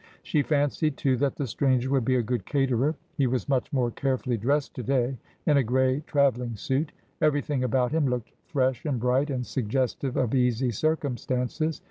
She fancied, too, that the stranger would be a good caterer. He was much more carefuUy dressed to day, in a gray travelling suit. Everything about him looked fresh and bright, and suggestive of easy circumstances.